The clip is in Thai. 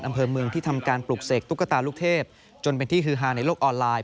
อำเภอเมืองที่ทำการปลูกเสกตุ๊กตาลูกเทพจนเป็นที่ฮือฮาในโลกออนไลน